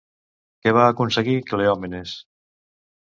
Què va aconseguir Cleòmenes?